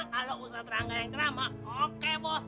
kalau ustadz rangga yang cerama oke bos